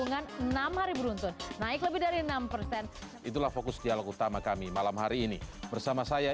kami rangkum sebagiannya